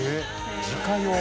自家用。